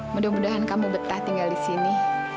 mudah mudahan kamu betah tinggal di sini